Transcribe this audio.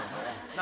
何？